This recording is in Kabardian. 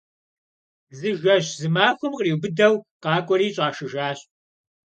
Зы жэщ зы махуэм къриубыдэу къакӏуэри щӏашыжащ.